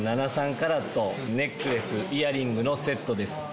カラットネックレス、イヤリングのセットです。